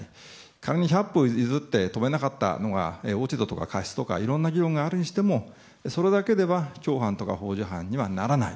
仮に百歩譲って止めなかったのが落ち度とか過失とか、いろんな議論があるにしても、それだけでは共犯とか幇助犯にはならない。